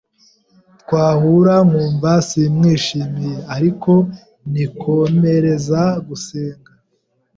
Twahura nkumva simwishimiye, ariko nikomereza gusenga.